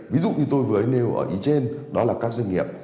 ví dụ như tôi vừa nêu ở ý trên đó là các doanh nghiệp